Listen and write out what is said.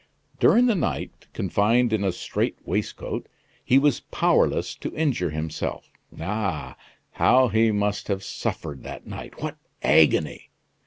During the night, confined in a straight waistcoat, he was powerless to injure himself. Ah! how he must have suffered that night! What agony!